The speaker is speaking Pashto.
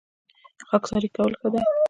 خاکساري کول ښه دي